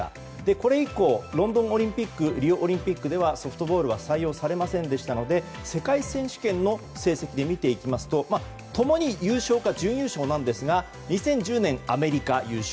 これ以降、ロンドンオリンピックリオオリンピックでソフトボール採用されませんでしたので世界選手権の成績で見ると共に優勝か準優勝なんですが２０１０年アメリカ優勝